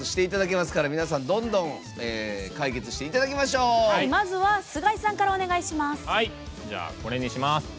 まずは須貝さんからお願いします。